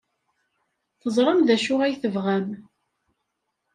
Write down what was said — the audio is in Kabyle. Teẓram d acu ay tebɣam.